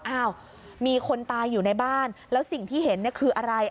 อ้าวมีคนตายอยู่ในบ้านแล้วสิ่งที่เห็นเนี่ยคืออะไร